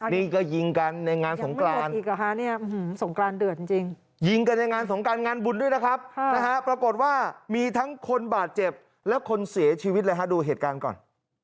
นี่ก็ยิงกันในงานสงกรานสงกรานเดือดจริงยิงกันในงานสงการงานบุญด้วยนะครับปรากฏว่ามีทั้งคนบาดเจ็บและคนเสียชีวิตเลยฮะดูเหตุการณ์ก่อน